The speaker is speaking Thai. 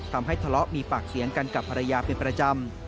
ทะเลาะมีปากเสียงกันกับภรรยาเป็นประจำ